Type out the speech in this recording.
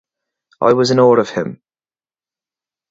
I was in awe of him.